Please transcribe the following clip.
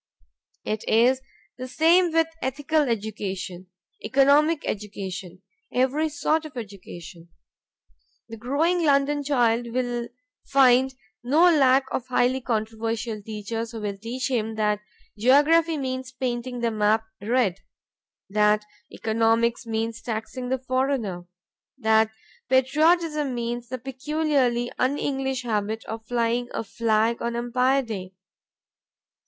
It is the same with ethical education, economic education, every sort of education. The growing London child will find no lack of highly controversial teachers who will teach him that geography means painting the map red; that economics means taxing the foreigner, that patriotism means the peculiarly un English habit of flying a flag on Empire Day.